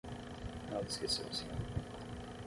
Ela esqueceu a senha do banco.